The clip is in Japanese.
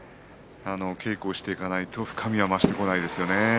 稽古をしていかないと深みは増してこないですね。